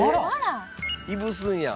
いぶすんや。